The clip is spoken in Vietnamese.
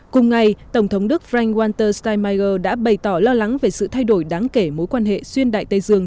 cùng ngày tổng thống đức frank walter steinmeger đã bày tỏ lo lắng về sự thay đổi đáng kể mối quan hệ xuyên đại tây dương